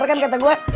bener kan kata gue